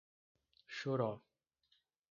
Choró